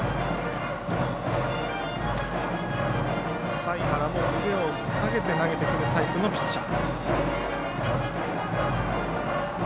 財原も腕を下げて投げてくるタイプのピッチャー。